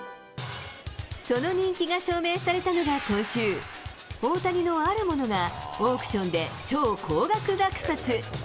その人気が証明されたのが今週、大谷のあるものが、オークションで超高額落札。